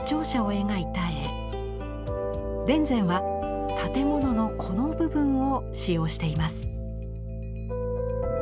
田善は建物のこの部分を使用しています。